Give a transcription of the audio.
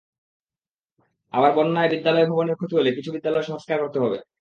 আবার বন্যায় বিদ্যালয় ভবনের ক্ষতি হলে কিছু বিদ্যালয় সংস্কার করতে হবে।